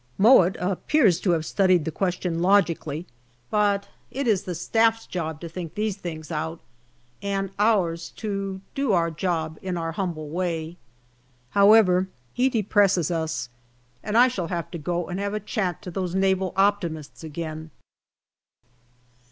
Mowatt appears to have studied the question logically, but it is the Staff's job to think these things out and ours to do our job in our humble way. However, he depresses us, and I shall have to go and have a chat to those Naval optimists again.